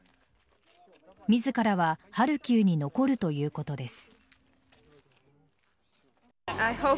自らはハルキウに残るということです。